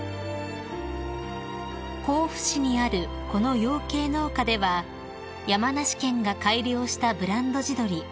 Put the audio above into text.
［甲府市にあるこの養鶏農家では山梨県が改良したブランド地鶏